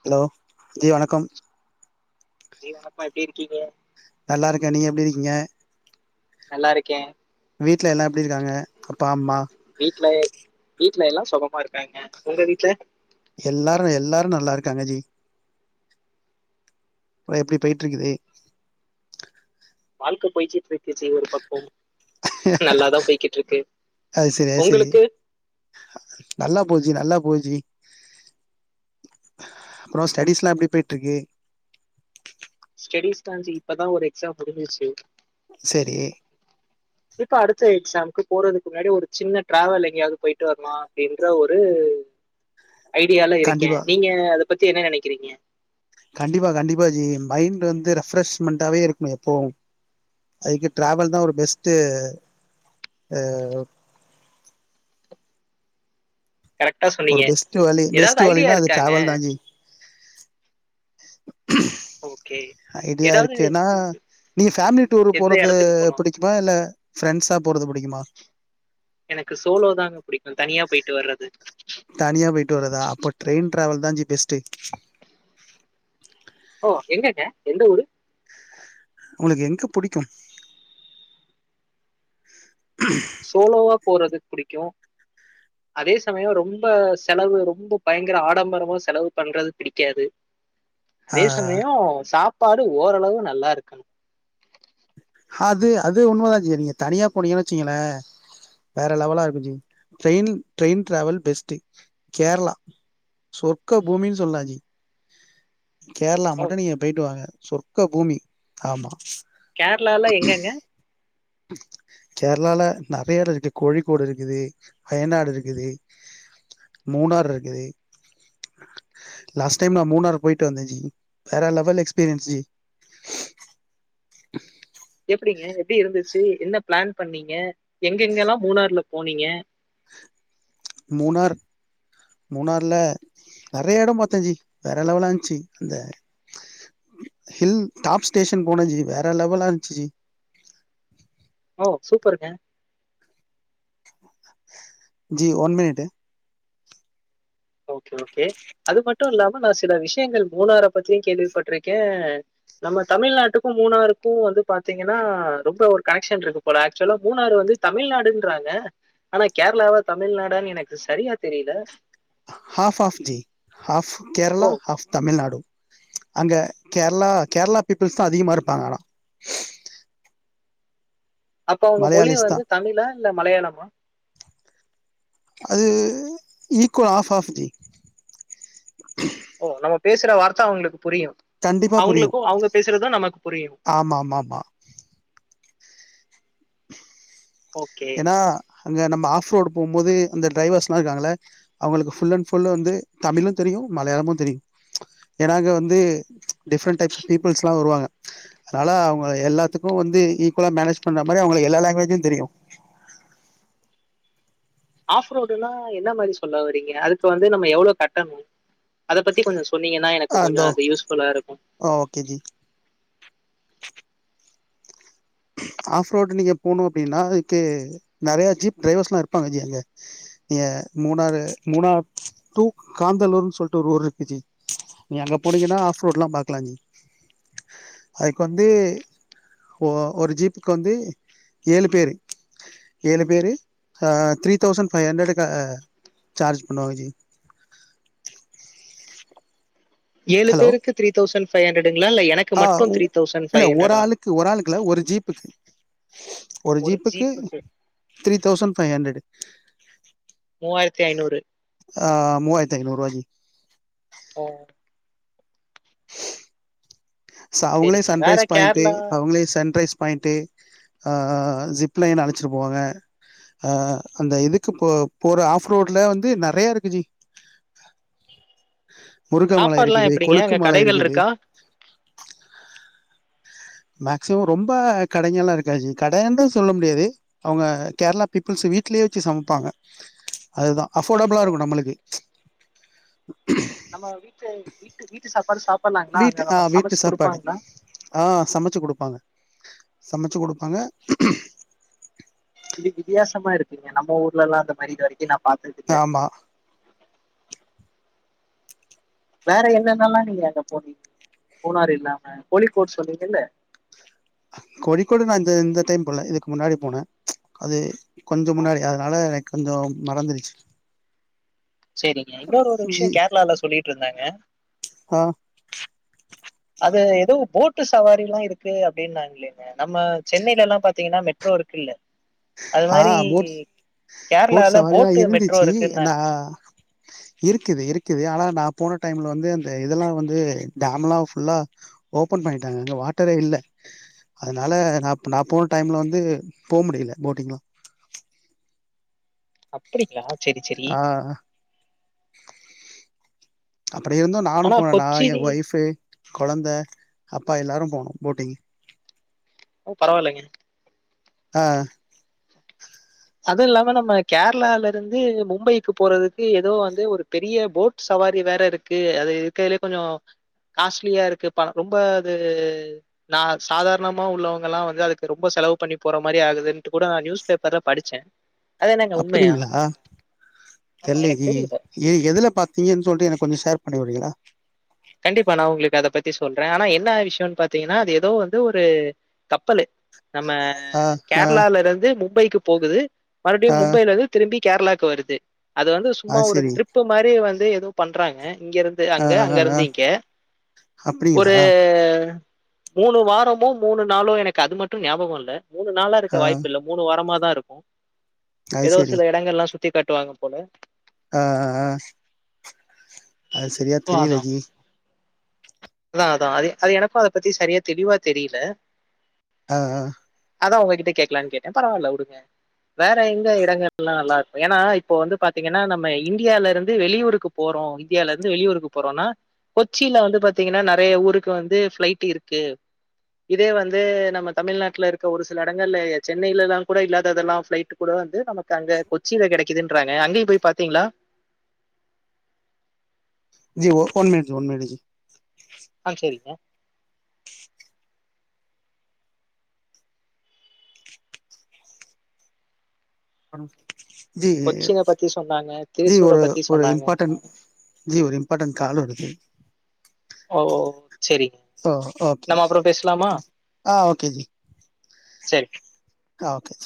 Hello G வணக்கம் ஜீ வணக்கம் எப்டி இருக்கீங்க நல்லா இருக்கே நீங்க எப்டி இருக்கீங்க நல்லா இருக்கே வீட்ல எல்லாம் எப்டி இருக்காங்க அப்பா அம்மா வீடல எல்லா சொகமா இருக்காங்க உங்க வீட்ல எல்லாரு எல்லாரு நல்லா இருக்காங்க ஜி எப்டி போய்டிருக்குது வீட்டுக்கு போயி சீப் [unintelligible] ச்சி ஒரு பக்கம் நல்லாதா போய்டிருக்கு அது சரி அது சரி உங்களுக்கு போச்சி அப்பறம் ஸ்டடிஸெல்லா எப்டி போய்ட்ருக்கு ஸ்டெடிஸ்தா ஜீ இப்பதா ஒரு எக்ஸாம் முடிஞ்சிச்சு சேரி ஷாங்க்கு போறதுக்கு முன்னாடி ஒரு சின்ன டிராவல் எங்கயாவது போயிட்டு வரலா அப்டின்ற ஒரு ஐடியால இருக்கே கண்டிப்பா நீங்க அது பத்தி என்ன நெனக்கிறீங்க கண்டிப்பா கண்டிப்பா ஜி மைண்ட் வந்து ரெஃப்ரெஷ்மண்டாவே இருக்ணு எப்பவு அதுக்கு ட்ரேவல் தா ஒரு பெஸ்ட்டு அ வ் கரெக்டா ஒரு சொன்னீங்க பெஸ்ட்டு வழி ஏதாவது பெஸ்ட்டு ஐடியா வழின்னா அது இருக்காங்க ட்ரேவல்தா ஜி ஒ ஐடியா இருக்கு எனா நீங்க ஃபேம்லி டூரு எந்த போறது எடத்துக்கு போனு புடிக்குமா இல்ல ஃப்ரெண்ட்ஸா போறது புடிக்குமா எனக்கு சோலோ தாங்க புடிக்கு தனியா பொய்ட்டு வர்றது தனியா பொய்ட்டு வர்றதா அப்ப ட்ரெயின் ட்ரேவல்தா ஜி பெஸ்ட்டு ஓ எங்கங்க எந்த ஊரு உங்ளுக்கு எங்க புடிக்கு சோலோவா போறதுக் புடிக்கு அதே சமயொ ரொம்ப செலவு ரொம்ப பயங்குர ஆடம்பரமா செலவு பண்றது பிடிக்காது ஆ அதே சமயயொ சாப் பாடு ஓரளவு நல்லா இருக்கண் அது அது உண்மதா ஜி நீங்க தனியா போனீங்கன்னு வச்சீங்களே வேற லெவலா இருக்கு G trail train travel best கேர்ளா சொர்க்க பூமின் சொல்லா ஜி கேர்ளா ஓ! மட்டு நீங்க பெயிட்டு வாங்க சொர்க்க பூமி ஆமா கேர்ளால எங்கங்க கேரளால நெறைய எட இருக்கு கோழிக்கோடு இருக்குது வயநாடு இருக்குது மூணார் இருக்குது லாஸ்ட் டைம் நா மூணார் போயிட்டு வந்தே ஜி வேற லெவல் எக்ஸ்பீரியன்ஸ் ஜி எப்டிங்க எப்டி இருந்துச்சு என்ன ப்ளான் பண்ணீங்க எங்கெங்கெல்லா மூணார்ல போனீங்க மூணார் மூணார்ல நெறையா எட பாத்தே ஜி வேற லெவலா இருந்துச்சு அந்த ஹில் டாப் ஸ்டேஷன் போனே ஜி வேற லெவல்லா இருந்துச்சு ஓ சூப்பருங்க G one minute okay okay அது மட்டும் இல்லாம சில விஷயங்கள் மூணார பத்தியு கேள்விப்பட்ருக்கே நம்ம தமிழ்நாட்டுக்கு மூணாருக்கு வந்து பாத்தீங்கன்னா ரொம்ப ஒரு கனெக்ஷன் இருக்கு போல ஆக்சுவலா மூணாறு வந்து தமிழ்நாடுன்றாங்க ஆனா கேரளாவா தமிழ்நாடான்னு எனக்கு சரியா தெரில ஹாஃப் ஹாஃப் ஜி ஹாஃப் ஓ! கேரளா ஹாஃப் தமிழ்நாடு அங்க கேரளா கேரளா பீப்புள்ஸ் தான் அதிகமா இருப்பாங்க ஆனா அப்ப அவங்க மொழி மலையாளிஸ் வந்து தான் தமிழா இல்ல மலையாளமா அது ஈக்வல் ஹாஃப் ஹாஃப் ஓ நம்ம பேசுற வார்த்த அவங்களுக்கு புரியும் கண்டிப்பா புரியும் அவங்களுக்கும் அவங்க பேசுறதும் நமக்கு புரியும் ஆமா ஆமா ஆமா ஓகே அங்கே நம்ம ஆஃப் ரோடு போகும் போது அந்த டிரைவர்ஸ்லாம் இருக்காங்கள்ல அவங்களுக்கு ஃபுல் அண் ஃபுல்லும் வந்து தமிழும் தெரியும் மலையாளமும் தெரியும் ஏன்ன அங்க வந்து டிஃப்ரெண்ட் டைப்ஸ் ஆஃப் பீப்புள்ஸெலாம் வருவாங்க அதனால் அவங்க எல்லாத்துக்கும் வந்து ஈக்குவலா மேனேஜ் பண்ணுற மாதிரி அவங்களுக்கு எல்லா லாங்குவேஜும் தெரியும் ஆஃப் ரோடுனா என்ன மாதிரி சொல்ல வரீங்க அதுக்கு வந்து நம்ம எவ்வளவு கட்டணும் அதை பத்தி கொஞ்சம் சொன்னீங்கன்னா ஆ எனக்கு கொஞ்சம் இந்தோ அது யூஸ்ஃபுல்லா இருக்கும் ஓகே ஜி ஆஃப் ரோடு நீங்க போணு அப்டின்னா இ கே நெறையா ஜீப் ட்ரைவர்ஸ்லா இர்ப்பாங்க ஜி அங்கே நீங்க மூணாரு மூணா டூ காந்தலூர்னு சொல்ட்டு ஒரு ஊர்ருக்கு ஜி நீ அங்க போனீங்கனா ஆஃப் ரோட்லா பாக்லா ஜி அதுக்கு வந்து ஒ ஒரு ஜீப் வந்து ஏழு பேரு ஏழு பேரு த்ரீ தௌசண்ட் ஃபை ஹண்ரடுக்க அ சார்ஜ் பண்ணுவாங்க ஜி ஏழு பேருக்கு த்ரீ தௌசண் ஃபை ஹண்ரட் அ உ இல்ல ஒரு ஹண்ட்ரடா ஆளுக்கு ஒரு ஆளுக்குல ஒரு ஜீப்புக்கு ஒரு ஜீப்புக்கு த்ரீ தௌசண் ஃபை ஹண்ரட்டு மூவாயிரத்தி ஐநூறு அ மூவாயர்த்தி ஐநூறுவா ஜி அ ச அவுங்குளே சரிங்க வேற சன்ரைஸ் பாயிண்ட்டு கேரளா அவுங்குளே சன்ரைஸ் பாயிண்ட்டு ஆ ஜிப்லைன் அலச்சிட்டு போவாங்க அ அந்த இதுக்கு போ போற ஆஃப் ரோட்ல வந்து நிறையா இருக்கு ஜி முருக மல சாப்பாட்ல்லா இருக்குது எப்டிங்க கொழுக்கு அங்க மல கடைகள் இருக்குது இருக்கா மேக்சிமம் ரொம்ப கடைங்கல்லா இருக்காஜி கடன்டு சொல்ல முடியாது அவுங்க கேர்ளா பீப்புள்ஸ் வீட்லே வச்சி சமப்பாங்க அதுதா அஃபோடபுளா ஓ, இருக்கு நம்மளுக்கு நம்ம வீட்டு வீட்டு வீட்டு சாப் வீட்டு அ வீட்டு சாப்பாடு ஆ சமச்சு குடுப்பாங்க சம ச்சு குடுப்பாங்க இது வித்யாசமா இருக்குங்க நம்ம ஊர்லல்லா அந்த மாரி இது வரக்கி நா பாத்ததில்ல ஆமா வேற என்னென்னல்லா நீங்க அங்க போனீங் முனாரு இல்லாம கோழிக்கோட் சொன்னீங்கல்ல கோழக்கோடு நா இந்த இந்த டைம் போல இதுக்கு முன்னாடி போனே அது கொஞ்ச ஓ, முன்னாடி அதுனால எனக் கொஞ்சோ மறந்துறுச் சேரிங்க இன்னொரு ஒரு விஷ்யோ கேர்ளால சொல்லிட் இருந்தாங்க ஆ அது எதோ போட்டு சவாரில்லா இருக்கு அப்டின்னாங்ளேங்க நம்ம சென்னைலலா பாத்தீங்கன்னா மெட்ரோ இருக்குல்ல அது ஆ மாதிரி ஃபோட் ஃபோட் கேரளால சவாரில்லா போட்டு மெட்ரோ இருந்துச்சு நா இருக்குன்னாங்க இருக்குது இருக்குது ஆனா நாப் போன டைமில வந்து அந்த இதெல்லா வந்து டேம்லா ஃபுல்லா ஓப்பன் பண்ணிட்டாங்க அங்க வாட்டரே இல்ல அதனால நாப் நா போ போன டைமில வந்து போக முடியல ஃபோட்டிங்களா அப்படிங்களா செரி செரி ஆ அப்படி இருந்து நானு ஆனா போனே நா கொச்சி எ ஒய்ஃபு கொழந்த அப்பா எல்லாரு போனோ ஃபோட்டிங் ஓ பரவாயில்லைங்க ஆ அது இல்லாம நம்ம கேரளால இருந்து மும்பைக்கு போறதுக்கு ஏதோ வந்து ஒரு பெரிய ஃபோட் சவாரி வேற இருக்கு அது இருக்கதுலயே கொஞ்சோ காஸ்ட்லியா இருக்கு பா ரொம்ப அது நா சாதாரணமா உள்ளவங்க எல்லா வந்து அதுக்கு ரொம்ப செலவு பண்ணி போற மாரி ஆகுதுன்னட்டு கூட நா நியூஸ் பேப்பர்லா படிச்சே அப்படிங்களா ஆமா எனக்கு தெரிலயே தெரியல. எ எதுல பாத்தீங்கன்னு சொல்லிட்டு எனக்கு கொஞ்சோ சேர்ப் பண்ணிவுடரீகளா கண்டிப்பா நா உங்களுக்கு அத பத்தி சொல்றே ஆனா என்னா விஷயம்ன்னு பாத்தீங்கன்னா அது ஏதோ வந்து ஒரு கப்பலு நம்ம ஆ ஆ கேரளால இருந்து மும்பைக்கு போகுது மறுபடியு ஆ மும்பையில இருந்து திரும்பி கேரளாக்கு வருது அது வந்து சும்மா அது ஒரு செரி ட்ரிப் மாரி வந் ஏது ஏதோ பண்றாங்க இங்க இருந்து ஆ அங்க ஆ ஆ அங்கருந்து இங் கே ஒரு அப்படிங்களா மூணு வாரமோ மூணு நாளோ எனக்கு அது மட்டு ஞாபகவல்ல மூணுநாளா இருக்க ஆ வாய்ப்பில்ல மூணு வாரமா லா இருக்கு அது ஏதோ செரி சில இடங்கலா சுத் சுத்தி காட்டுவாங்க போல ஆ ஆ ஆ அது சரியா சோ தெரியல அதா ஜி அதா அதா அது அது எனக்கு அத பத்தி சரியா தெளிவா தெரியல ஆ ஆ அதா உங்ககிட்ட கேட்கலான்னு கேட்டே பரவால்ல உடுங்க வேற எங்க இடங்கலா நல்லா இருக் ஏன்னா இப்போ வந்து பாத்தீங்கன்னா நம்ம இந்தியால இருந்து வெளியூருக்கு போறோ இந்தியால இருந் ந்து வெளியூருக்கு போறோம்னா கொச்சில வந்து பாத்தீங்கன்னா நெறையா ஊருக்கு வந்து பளைட் இருக்கு இதே வந்து நம்ம தமிழ்நாட்டுல இருக்க ஒரு சில எடங்கள்ல சென்னைலலா கூட இல்லாததெல்லா பிளைட் கூட வந்து நமக்கு அங்க கொச்சில கெடைக்குதுன்றாங்க அங்கியு போய் பாத்தீங்களா G one minute one minute G ஆ சேரிங்க பனு ஜி கொச்சின பத்தி சொன்னாங்க, ஜி திருசூர ஒரு பத்தி ஒரு சொன்னாங்க. இம்பாட்டன் ஜி ஒரு இம்பாட்டன் கால் வருது ஓ சரிங்க. ஓ ஓக்கி நம்ம அப்புறம் பேசலாமா? ஆ ஓக்கே ஜி சேரி கா